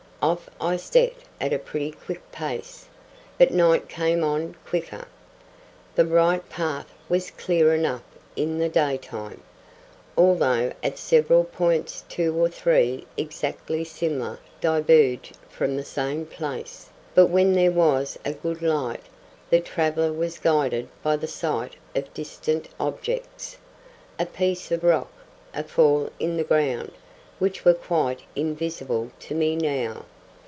Off I set at a pretty quick pace. But night came on quicker. The right path was clear enough in the day time, although at several points two or three exactly similar diverged from the same place; but when there was a good light, the traveller was guided by the sight of distant objects,—a piece of rock,—a fall in the ground—which were quite invisible to me now.